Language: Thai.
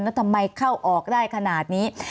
แล้วทำไมเข้าออกได้ขนาดนี้